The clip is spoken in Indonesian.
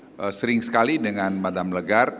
saya kebetulan sering sekali dengan md legar